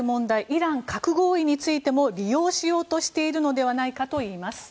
イラン核合意についても利用しようとしているのではないかといいます。